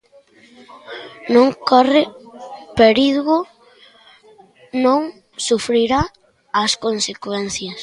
Non corre perigo, non sufrirá as consecuencias.